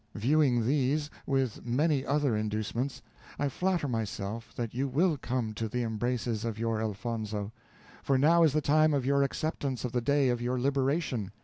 Viewing these, with many other inducements, I flatter myself that you will come to the embraces of your Elfonzo; for now is the time of your acceptance of the day of your liberation.